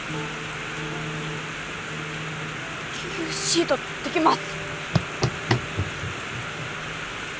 キューシート取ってきます。